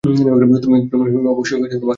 তুমি অবশ্যই বাঁকেকে খুন করবে।